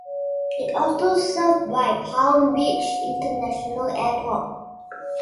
It also served by Palm Beach International Airport.